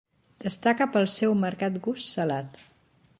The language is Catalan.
Destaca pel seu marcat gust salat.